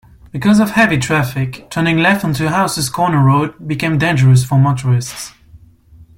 Because of heavy traffic, turning left onto Houses Corner Road became dangerous for motorists.